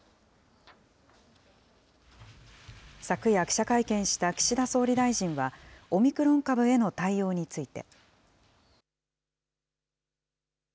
昨夜、記者会見した岸田総理大臣は、オミクロン株への対応について。